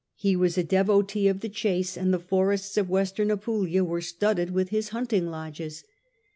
He was a devotee of the chase and the forests of Western Apulia were studded with his hunting lodges.